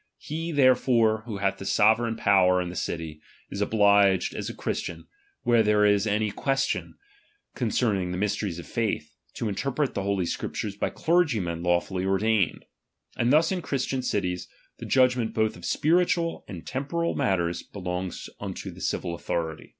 He therefore, who hath the sovereign power in the city, is obliged as a Christian, where there is any question concerning the mysteries of faith, to in terpret the Holy Scriptures by clergymen lawfully ordained. And thus in Christian cities, the judg ment both of spiritual and temporal matters be longs unto the civil authority.